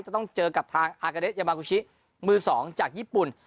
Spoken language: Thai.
จะต้องเจอกับทางอากาเดชยามากูชิมือ๒จากญี่ปุ่น